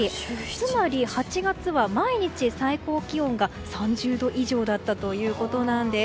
つまり、８月は毎日最高気温が３０度以上だったということです。